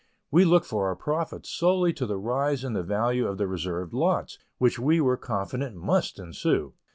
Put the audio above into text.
We looked for our profits solely to the rise in the value of the reserved lots, which we were confident must ensue.